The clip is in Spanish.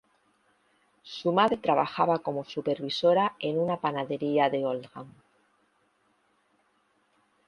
Su madre trabajaba como supervisora en una panadería de Oldham.